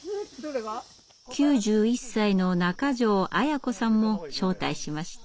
９１歳の中條アヤ子さんも招待しました。